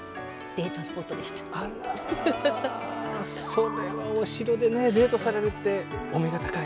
それはお城でねデートされるってお目が高い。